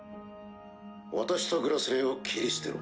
私と「グラスレー」を切り捨てろ。